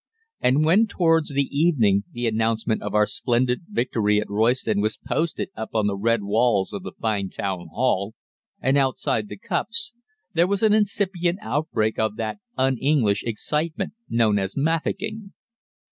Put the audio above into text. And when towards the evening the announcement of our splendid victory at Royston was posted up on the red walls of the fine town hall, and outside the Cups, there was an incipient outbreak of that un English excitement known as 'Mafficking.'